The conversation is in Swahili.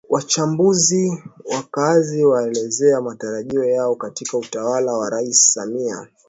Wachambuzi na wakaazi waelezea matarajio yao katika utawala wa Rais Samia